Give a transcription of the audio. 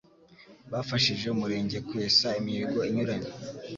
bafashije umurenge kwesa imihigo inyuranye